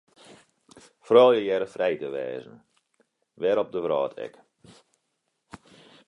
Froulju hearre frij te wêze, wêr op 'e wrâld ek.